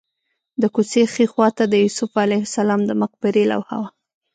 د کوڅې ښي خوا ته د یوسف علیه السلام د مقبرې لوحه وه.